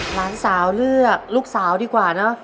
หลานสาวเลือกลูกสาวดีกว่าเนอะ